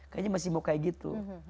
kayaknya masih mau kayak gitu